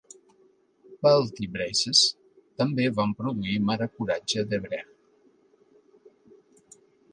Belt i Braces també van produir "Mare Coratge" de Brecht.